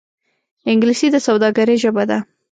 انګلیسي د سوداګرۍ ژبه ده